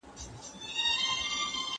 انځور جوړول تر لیکلو اسانه دي.